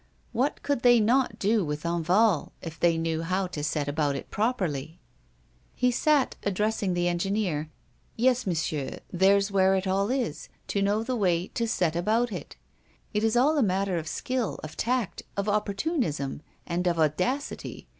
What could they not do with Enval, if they knew how to set about it properly? He said, addressing the engineer: "Yes, Monsieur, there's where it all is, to know the way to set about it. It is all a matter of skill, of tact, of opportunism, and of audacity.